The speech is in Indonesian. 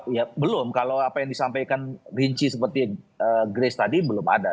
ya belum kalau apa yang disampaikan rinci seperti grace tadi belum ada